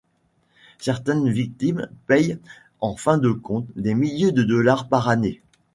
Certaines victimes payent en fin de compte des milliers de dollars par année.